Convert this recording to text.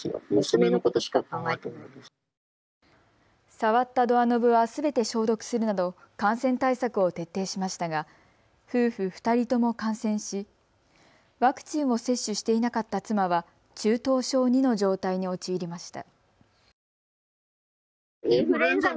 触ったドアノブはすべて消毒するなど感染対策を徹底しましたが夫婦２人とも感染しワクチンを接種していなかった妻は中等症２の状態に陥りました。